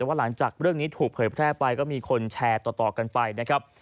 ว่าหลังจากเรื่องนี้ถูกเผยแพร่ไปก็มีคนแชร์ต่อกันไปนะครับ